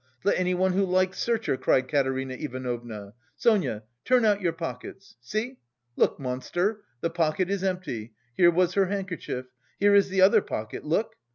Let anyone who likes search her!" cried Katerina Ivanovna. "Sonia, turn out your pockets! See! Look, monster, the pocket is empty, here was her handkerchief! Here is the other pocket, look!